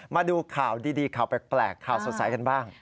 มาดูข่าวดีข่าวแปลกข่าวสดใสกันบ้าง